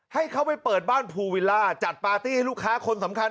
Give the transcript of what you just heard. ให้เขาไปเปิดบ้านภูวิลล่าจัดปาร์ตี้ให้ลูกค้าคนสำคัญ